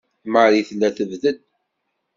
Marie tella tebded.